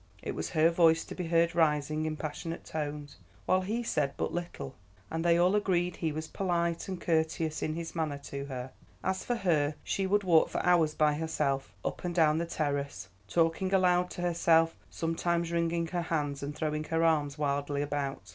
It was her voice to be heard rising in passionate tones, while he said but little, and they all agreed he was polite and courteous in his manner to her. As for her, she would walk for hours by herself up and down the terrace, talking aloud to herself, sometimes wringing her hands and throwing her arms wildly about.